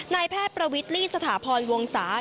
นายแพทย์ประวิทลี่สถาพรวงศา